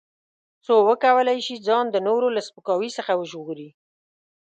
څو وکولای شي ځان د نورو له سپکاوي څخه وژغوري.